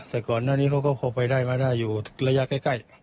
แต่ก่อนหน้านี้เขาก็พอไปได้มาได้อยู่ระยะใกล้